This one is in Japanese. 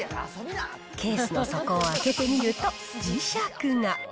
ケースの底を開けてみると磁石が。